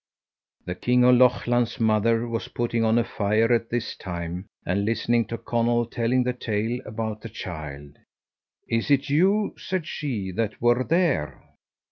The king of Lochlann's mother was putting on a fire at this time, and listening to Conall telling the tale about the child. "Is it you," said she, "that were there?"